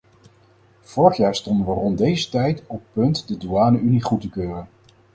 Vorig jaar stonden we rond deze tijd op punt de douane-unie goed te keuren.